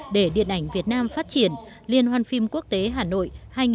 để điện ảnh việt nam phát triển liên hoàn phim quốc tế hà nội hai nghìn một mươi sáu